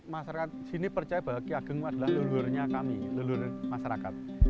masyarakat sini percaya bahwa ki ageng adalah lelurnya kami lelur masyarakat